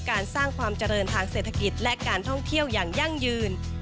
การสร้างความเจริญทางเศรษฐกิจและการท่องเที่ยวอย่างยั่งยืน